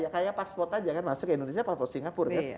kayak paspor aja kan masuk ke indonesia paspor singapura kan